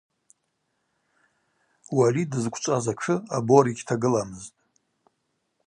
Уали дызквчӏваз атшы абора йыгьтагыламызтӏ.